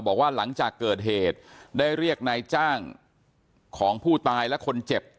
บอกว่าหลังจากเกิดเหตุได้เรียกนายจ้างของผู้ตายและคนเจ็บ